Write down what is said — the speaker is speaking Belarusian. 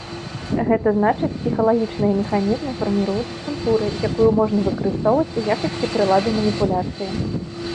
Гэта значыць псіхалагічныя механізмы фарміруюцца культурай, якую можна выкарыстоўваць у якасці прылады маніпуляцыі.